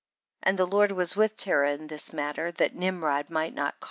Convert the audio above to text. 34. And the Lord was with Terah in this matter, that Nimrod might not cau.